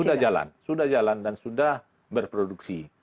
sudah jalan sudah jalan dan sudah berproduksi